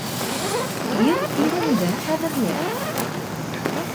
Ир илендә ҡәҙерле.